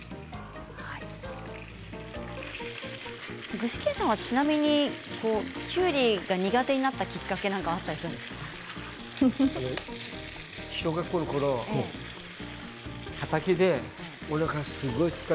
具志堅さんはちなみにきゅうりが苦手になったきっかけはあったりするんですか？